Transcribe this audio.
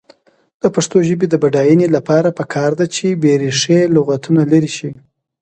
د پښتو ژبې د بډاینې لپاره پکار ده چې بېریښې لغتونه لرې شي.